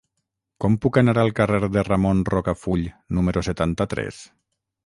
Com puc anar al carrer de Ramon Rocafull número setanta-tres?